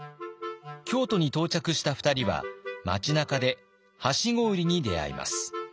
京都に到着した２人は町なかではしご売りに出会います。